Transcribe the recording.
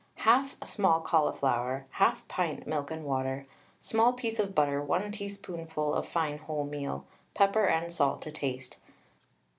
1/2 small cauliflower, 1/2 pint milk and water, small piece of butter, 1 teaspoonful of fine wholemeal, pepper and salt to taste.